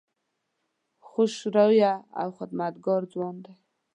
خوش خویه او خدمتګار ځوان دی.